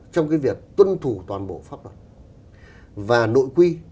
trong cái việc tuân thủ toàn bộ pháp luật và nội quy